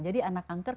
jadi anak kanker